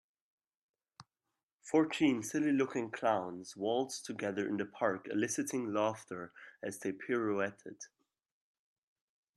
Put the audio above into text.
Fourteen silly looking clowns waltzed together in the park eliciting laughter as they pirouetted.